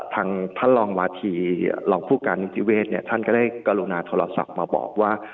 ทางท่านรองวาธีรองผู้การนิติเวศท่านก็ได้กรุณาโทรศัพท์มาบอกว่า